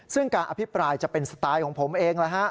ซึ่งการอภิปรายจะเป็นสไตล์ของผมเอง